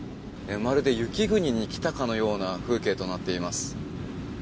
まるで雪国に来たかのような風景となっています。